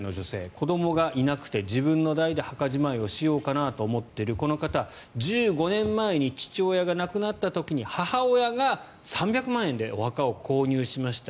子どもがいなくて自分の代で墓じまいをしようかと思っているこの方、１５年前に父親が亡くなった時に母親が３００万円でお墓を購入しました。